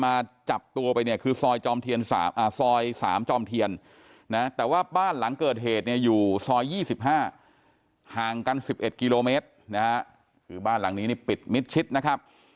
มาจับตัวไปเนี่ยคือซอยจอมเทียนซอย๓จอมเทียนนะแต่ว่าบ้านหลังเกิดเหตุเนี่ยอยู่ซอย๒๕ห่างกัน๑๑กิโลเมตรนะฮะคือบ้านหลังนี้นี่ปิดมิดชิดนะครับ